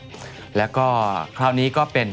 พี่แดงก็พอสัมพันธ์พูดเลยนะครับ